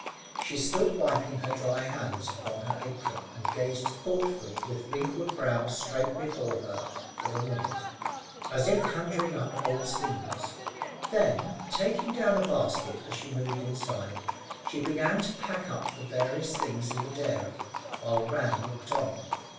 She stood wiping her dry hands upon her apron, and gazed thoughtfully with wrinkled brow straight before her for a minute, as if conjuring up old scenes; then, taking down a basket as she moved inside, she began to pack up the various things in the dairy, while Ram looked on.